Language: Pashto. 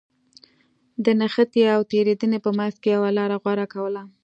د نښتې او تېرېدنې په منځ کې يوه لاره غوره کوله.